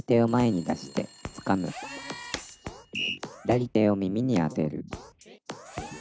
「左手を耳にあてる」ピッ！